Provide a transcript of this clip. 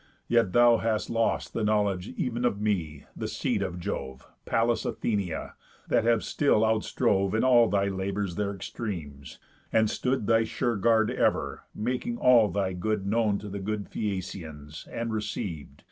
Yet thou hast lost The knowledge ev'n of me, the Seed of Jove, Pallas Athenia, that have still out strove In all thy labours their extremes, and stood Thy sure guard ever, making all thy good Known to the good Phæacians, and receiv'd.